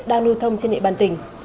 đang lưu thông trên địa bàn tỉnh